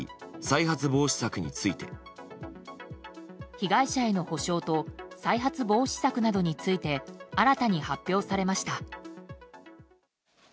被害者への補償と再発防止策などについて新たに発表されました。